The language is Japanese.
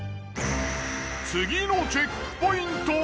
次のチェックポイントは。